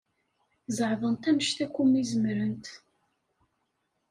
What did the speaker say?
Zeɛḍent anect akk umi zemrent.